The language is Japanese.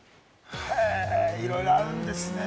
いろいろあるんですね。